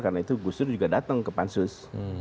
karena itu gusur juga datang ke pansus